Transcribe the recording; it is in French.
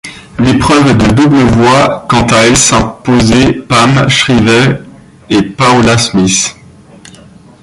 L'épreuve de double voit quant à elle s'imposer Pam Shriver et Paula Smith.